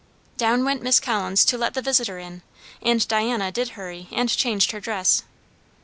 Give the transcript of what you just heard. Down went Miss Collins to let the visitor in, and Diana did hurry and changed her dress.